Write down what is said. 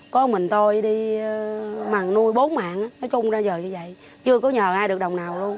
có mình tôi đi mằn nuôi bốn mạng nói chung ra giờ như vậy chưa có nhờ ai được đồng nào luôn